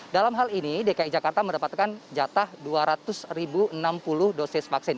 dalam hal ini dki jakarta mendapatkan jatah dua ratus enam puluh dosis vaksin